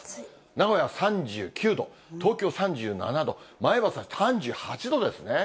名古屋は３９度、東京３７度、前橋は３８度ですね。